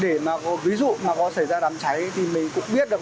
để mà có ví dụ mà có xảy ra đám cháy thì mình cũng biết được